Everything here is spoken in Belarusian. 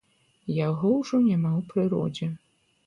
Яго ўжо няма ў прыродзе.